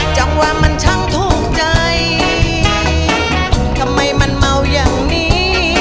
จังว่ามันทั้งทุกข์ใจทำไมมันเหมาอย่างนี้